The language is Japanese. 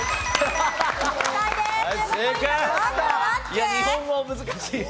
いや日本語難しい。